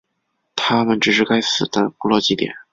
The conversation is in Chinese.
它们只是该死的部落祭典。